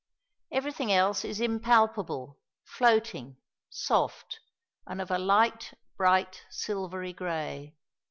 Everything else is impalpable, floating, soft, and of a light, bright, silvery grey.